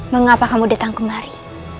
mengapa kamu datang kemari